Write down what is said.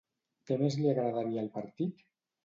Què més li agradaria al partit?